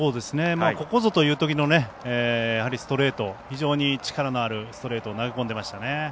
ここぞというときのストレート非常に力のあるストレートを投げ込んでいましたね。